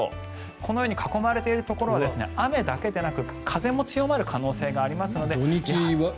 このように囲まれているところは雨だけでなく風も強まる可能性がありますので。